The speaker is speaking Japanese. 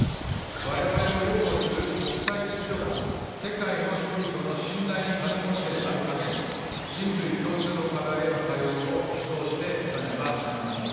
われわれの擁護する国際秩序が世界の人々の信頼に足るものであるために、人類共通の課題への対応を主導していかねばなりません。